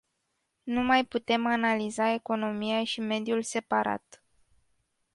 Nu mai putem analiza economia și mediul separat.